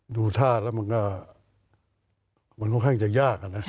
ดูท่าแล้วมันก็ค่อนข้างจะยาก